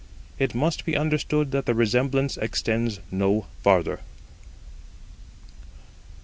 It must be understood that the resemblance extends no farther.